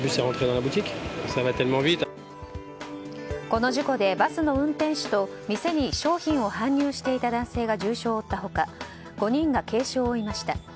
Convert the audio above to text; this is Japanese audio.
この事故でバスの運転手と店に商品を搬入していた男性が重傷を負った他５人が軽傷を負いました。